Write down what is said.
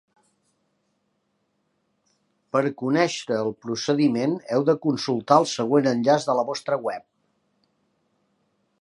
Per conèixer el procediment heu de consultar el següent enllaç de la nostra web.